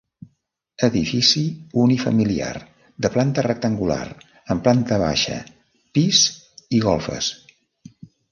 Edifici unifamiliar, de planta rectangular, amb planta baixa, pis i golfes.